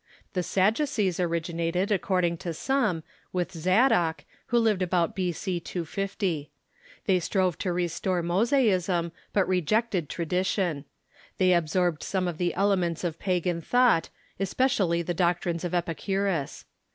The Sadducees originated, according to some, with Zadoc, who lived about b.c. 250. They strove to restore Mosaism, but rejected tradition. They absorbed some of the elements of pagan thought, especially the doctrines of Epicurus.